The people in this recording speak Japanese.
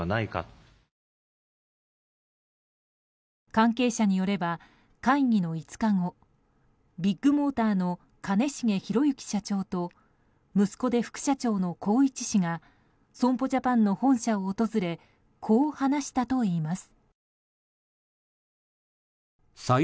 関係者によれば会議の５日後ビッグモーターの兼重宏行社長と息子で副社長の宏一氏が損保ジャパンの本社を訪れこう話したといいます。